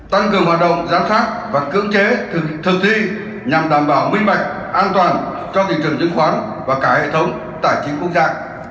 tăng cường hoạt động giám sát và cưỡng chế thực hiện thực thi nhằm đảm bảo minh mạch an toàn cho thị trường chứng khoán và cả hệ thống tài chính quốc gia